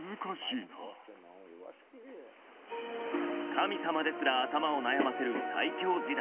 神様ですら頭を悩ませる最強時代。